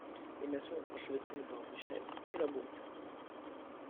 Les maçons enchevêtraient leurs échelles et leurs brouettes.